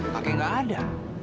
kakek nggak ada